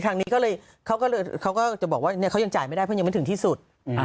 ทางนี้ก็เลยเขาก็จะบอกว่าเขายังจ่ายไม่ได้เพราะยังไม่ถึงที่สุด